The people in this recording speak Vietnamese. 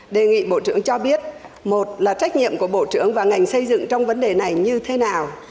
đề nghị bộ trưởng cho biết một là trách nhiệm của bộ trưởng và ngành xây dựng trong vấn đề này như thế nào